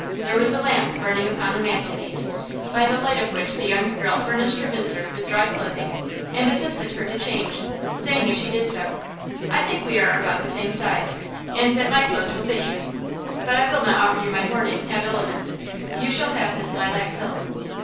There was a lamp burning upon the mantelpiece, by the light of which the young girl furnished her visitor with dry clothing and assisted her to change, saying as she did so: "I think we are about the same size, and that my clothes will fit you; but I will not offer you mourning habiliments–you shall have this lilac silk."